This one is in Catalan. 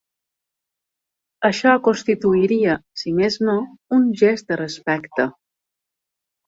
Això constituiria, si més no, un gest de respecte.